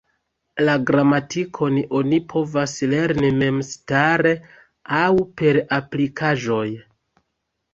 La gramatikon oni povas lerni memstare aŭ per aplikaĵoj.